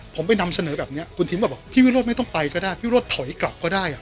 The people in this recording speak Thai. ผมไปนำเสนอแบบนี้คุณทีมก็บอกพี่วิโรธไม่ต้องไปก็ได้พี่โรดถอยกลับก็ได้